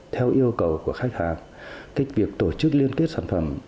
theo yêu cầu của khách hàng cái việc tổ chức liên kết sản phẩm